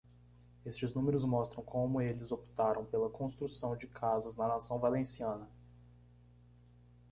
Estes números mostram como eles optaram pela construção de casas na nação valenciana.